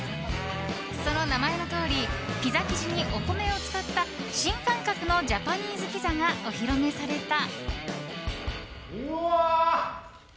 その名前のとおりピザ生地にお米を使った新感覚のジャパニーズピザがお披露目された。